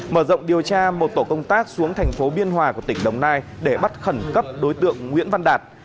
mở rộng điều tra một tổ công tác xuống thành phố biên hòa của tỉnh đồng nai để bắt khẩn cấp đối tượng nguyễn văn đạt